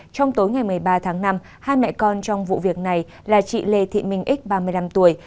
trong tối ngày một mươi ba tháng năm hai mẹ con trong vụ việc này là chị lê thị minh x ba mươi năm tuổi